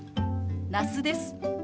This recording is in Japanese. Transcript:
那須です。